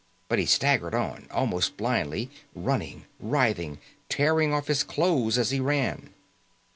But he staggered on, almost blindly, running, writhing, tearing off his clothes as he ran.